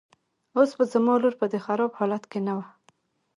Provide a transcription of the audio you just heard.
اوس به زما لور په دې خراب حالت کې نه وه.